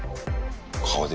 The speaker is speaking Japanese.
顔で。